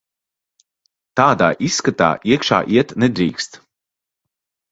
Tādā izskatā iekšā iet nedrīkst.